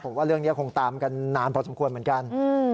ผมว่าเรื่องนี้คงตามกันนานพอสมควรเหมือนกัน